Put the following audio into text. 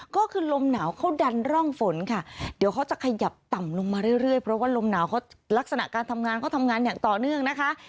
ก็คือลมหนาวเขาดันร่องฝนค่ะเดี๋ยวเขาจะขยับต่ำลงมาเรื่อยเพราะว่าลมหนาวเขาลักษณะการทำงานเขาทำงานอย่างต่อเนื่องนะคะ